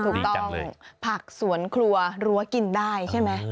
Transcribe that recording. ถูกต้องผักสวนครัวรั้วกินได้ใช่ไหม